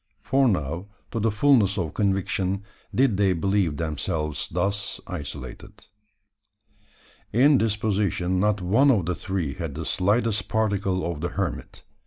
for now, to the fulness of conviction, did they believe themselves thus isolated. In disposition not one of the three had the slightest particle of the hermit.